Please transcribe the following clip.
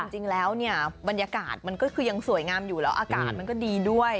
จริงแล้วเนี่ยบรรยากาศมันก็คือยังสวยงามอยู่แล้วอากาศมันก็ดีด้วย